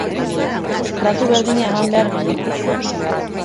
Tratu berdina eman behar genion.